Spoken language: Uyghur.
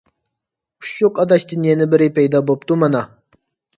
ئۇششۇق ئاداشتىن يەنە بىرى پەيدا بوپتۇ مانا!